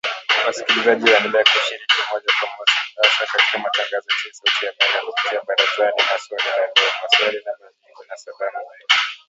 Wasikilizaji waendelea kushiriki moja kwa moja hasa katika matangazo yetu ya Sauti ya Amerika kupitia ‘Barazani’ na ‘Swali la Leo’, 'Maswali na Majibu', na 'Salamu Zenu'